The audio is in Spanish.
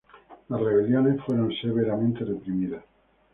Las rebeliones fueron severamente reprimidas.